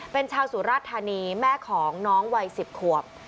เป็นชาวสุราชธานีแม่ของน้องวัย๑๐ขวบ